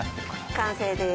完成です。